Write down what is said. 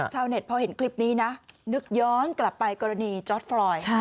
พอเห็นคลิปนี้นะนึกย้อนกลับไปกรณีจอร์ดฟรอย